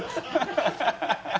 ハハハハ！